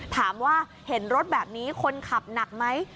ถามว่าเห็นรถแบบนี้คนขับหนักไหม